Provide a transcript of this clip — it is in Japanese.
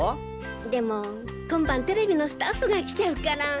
でも今晩ＴＶのスタッフが来ちゃうから。